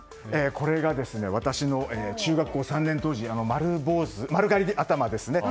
これが私の中学校３年当時丸刈り頭ですね。